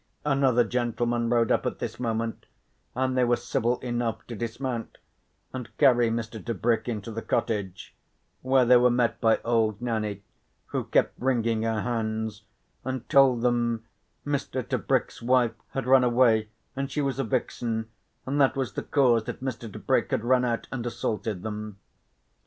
Another gentleman rode up at this moment and they were civil enough to dismount and carry Mr. Tebrick into the cottage, where they were met by old Nanny who kept wringing her hands and told them Mr. Tebrick's wife had run away and she was a vixen, and that was the cause that Mr. Tebrick had run out and assaulted them.